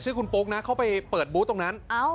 ชื่อคุณโป๊กนะ